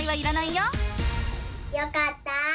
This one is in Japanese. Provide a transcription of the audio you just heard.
よかった！